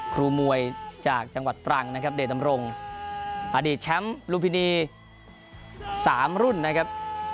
ครูมวยจากจังหวัดตรังนะครับเดชดำรงอดีตแชมป์ลุมพินี๓รุ่นนะครับ